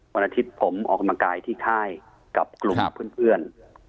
วันอาทิตย์ผมออกกำลังกายที่ค่ายกับกลุ่มเพื่อน